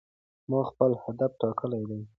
ما خپل هدف ټاکلی دی.